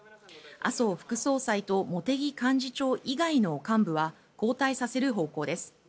麻生副総裁と茂木幹事長以外の幹部は交代させる方向です。